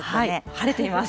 晴れています。